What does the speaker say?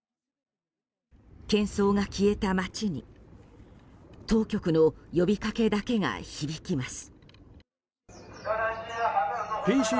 喧騒が消えた街に当局の呼びかけだけが響きます。